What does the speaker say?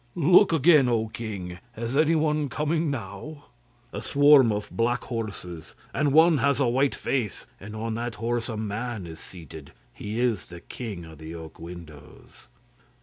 'Look again, O king! Is anyone coming now?' 'A swarm of black horses, and one has a white face, and on that horse a man is seated. He is the king of the oak windows.